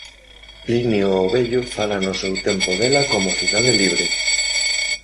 Plinio o vello fala no seu tempo dela como "cidade libre".